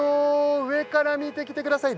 上から見てきてください！